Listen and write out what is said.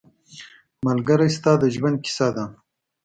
ملګری ستا د ژوند کیسه ده